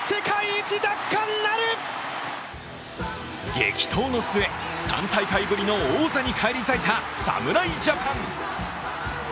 激闘の末、３大会ぶりの王座に返り咲いた侍ジャパン。